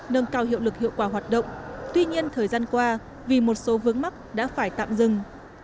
nâng cao hiệu lực hiệu quả hoạt động tuy nhiên thời gian qua vì một số vướng mắc đã phải tạm dừng